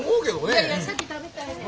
いやいや先食べたいねん。